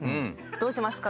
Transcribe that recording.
どうしますか？